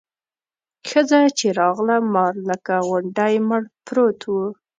ښځه چې راغله مار لکه غونډی مړ پروت و.